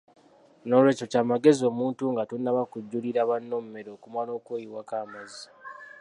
N'olwekyo kya magezi omuntu nga tonnaba kujjulira banno mmere okumala okweyiwako ku mazzi.